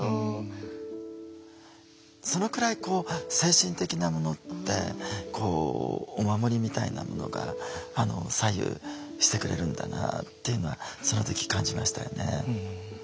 そのくらいこう精神的なものってお守りみたいなものが左右してくれるんだなっていうのはその時感じましたよね。